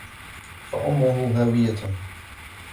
فَأُمُّهُ هَاوِيَةٌ